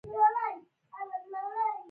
ما پوښتنه وکړه: څه وخت رارسیږي؟